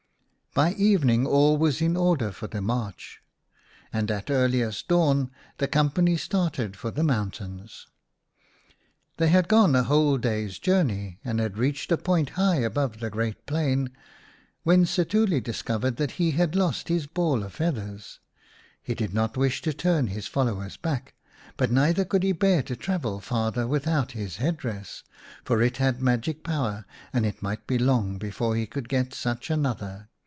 By evening all was in order for the march, and at earliest dawn the company started for the mountains. They had gone a whole day's journey, and had reached a point high above the great plain, when Setuli discovered that he had lost his ball of feathers. He did not wish to turn his followers back, but neither could he bear to travel farther without his head dress, for it had magic power, and it might be long before he could get such another.